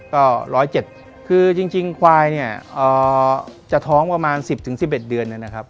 ก็๑๐๗คือจริงควายเนี่ยจะท้องประมาณ๑๐๑๑เดือนนะครับ